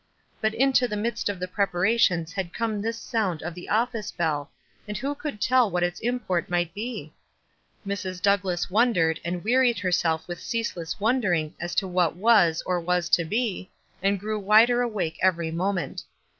But into the midst of the preparations had come this sound of the office bell, and who could tell what its import might be? Mrs. Douglass wondered, and wearied herself with ceaseless wondering as to what was or was to be, and grew wider awake every mo ment.